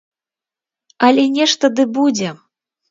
Але нешта ды будзе.